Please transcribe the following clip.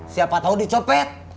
siapa tau dicopet